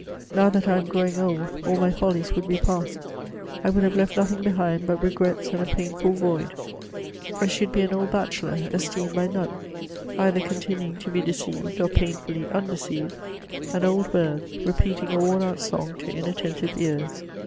Now that I am growing old, all my follies would be past, I would have left nothing behind but regrets and a painful void, — I should be an old bachelor, esteemed by none, either continuing to be deceived or painfully undeceived, an old bird, repeating a worn out song to inattentive ears.